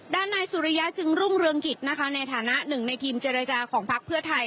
นายสุริยะจึงรุ่งเรืองกิจนะคะในฐานะหนึ่งในทีมเจรจาของพักเพื่อไทย